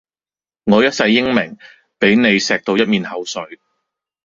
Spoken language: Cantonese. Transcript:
我一世英名，俾你鍚到一面口水